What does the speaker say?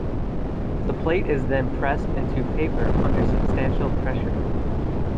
The plate is then pressed into paper under substantial pressure.